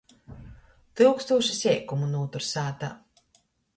Tyukstūša seikumu nūtur sātā.